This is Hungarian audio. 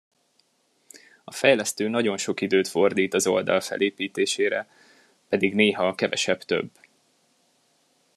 A fejlesztő nagyon sok időt fordít az oldal felépítésére, pedig néha a kevesebb több.